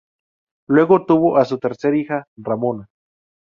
Luego tuvo a su tercer hija Ramona.